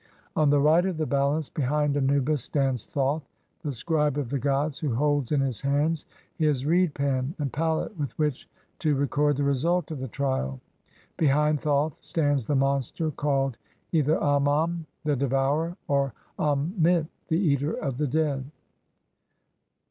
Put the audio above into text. On the right of the balance, behind Anubis, stands Thoth, the scribe of the gods, who holds in his hands his reed pen and palette with which to record the result of the trial. Behind Thoth stands the monster called either Amam, the "Devourer", or Am mit, the "Eater of the Dead''.